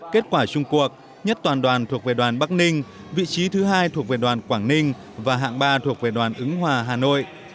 kết quả chung cuộc nhất toàn đoàn thuộc về đoàn bắc ninh vị trí thứ hai thuộc về đoàn quảng ninh và hạng ba thuộc về đoàn ứng hòa hà nội